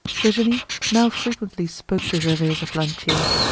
Virginie now frequently spoke to Gervaise of Lantier.